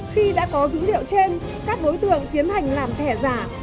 khi đã có dữ liệu trên các đối tượng tiến hành làm thẻ giả